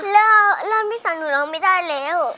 แล้วแล้วพี่สาวหนูร้องไม่ได้แล้ว